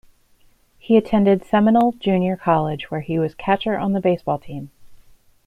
He attended Seminole Junior College where he was catcher on the baseball team.